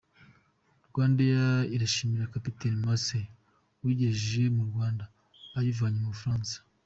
RwandAir irashimira Kapiteni Marcel uyigejeje mu Rwanda ayivanye mu Bufaransa.